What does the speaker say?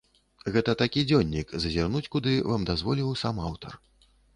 Гэта такі дзённік, зазірнуць куды вам дазволіў сам аўтар.